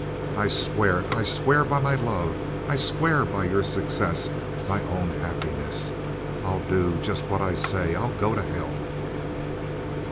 "I swear it. I swear by my love. I swear by your success—my own happiness. I'll do just what I say. I'll go to hell."